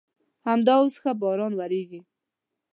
همدا اوس ښه باران ورېږي.